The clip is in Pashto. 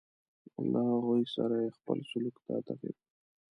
له هغه سره یې خپل سلوک ته تغیر ورکړ.